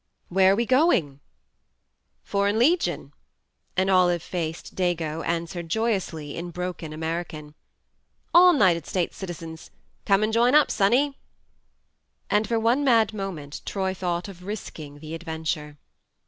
"Where are we going? ... Foreign Legion," an olive faced "dago" an swered joyously in broken American. " All 'nited States citizens. ... Come and join up, sonnie. ..." And for one mad moment Troy thought of risking the adventure.